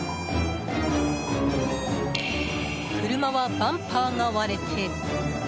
車はバンパーが割れて。